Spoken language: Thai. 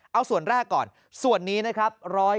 เอาส่วนแรกก่อนส่วนนี้นะครับ